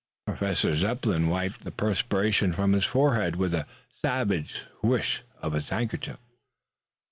Professor Zepplin wiped the perspiration from his forehead with a savage swish of the handkerchief.